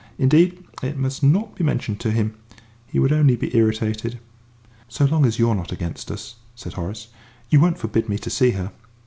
Indeed, it must not be mentioned to him he would only be irritated." "So long as you are not against us," said Horace, "you won't forbid me to see her?"